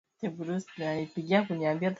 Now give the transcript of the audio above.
Nini Watu Fulani Huanza Kutumia Dawa za Kulevya